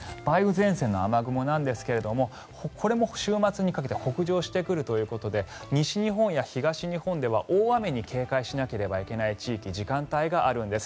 前線の雨雲なんですがこれも週末にかけて北上してくるということで西日本や東日本では、大雨に警戒しなければいけない地域時間帯があるんです。